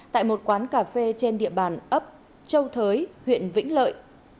tại một quán cà phê trên địa bàn ấp châu thới huyện vĩnh lợi